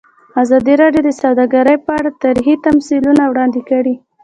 ازادي راډیو د سوداګري په اړه تاریخي تمثیلونه وړاندې کړي.